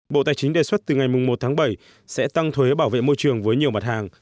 bộ tài chính đề xuất từ ngày một tháng bảy sẽ tăng thuế bảo vệ môi trường với nhiều mặt hàng